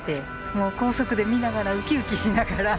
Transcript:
もう高速で見ながらうきうきしながら。